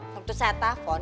waktu saya telepon